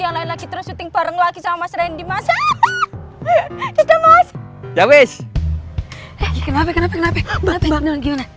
yang lain lagi terus syuting bareng lagi sama mas rendy mas ya udah mas ya wis kenapa kenapa kenapa